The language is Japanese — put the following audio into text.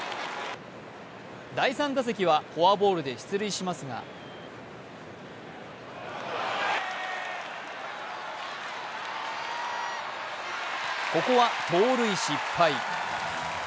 第３打席はフォアボールで出塁しますがここは盗塁失敗。